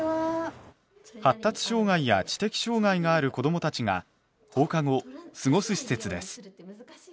発達障がいや知的障がいがある子どもたちが放課後過ごす施設です。